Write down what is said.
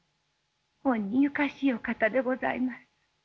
ほんにゆかしいお方でございます。